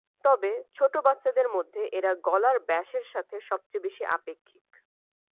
তবে ছোট বাচ্চাদের মধ্যে এরা গলার ব্যাসের সাথে সবচেয়ে বেশি আপেক্ষিক।